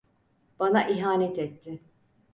Bana ihanet etti.